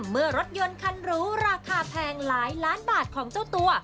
เมื่อรถยนต์คันรู้ราคาแพงหลายล้านบาทของเจ้าตัว